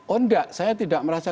oh enggak saya tidak merasa